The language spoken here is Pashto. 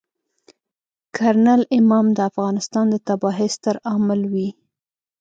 کرنل امام د افغانستان د تباهۍ ستر عامل وي.